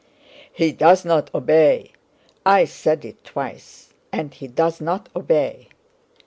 "He doesn't obey... I said it twice... and he doesn't obey!